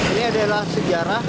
ini adalah sejarah